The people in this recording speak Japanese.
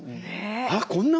あっこんな私も？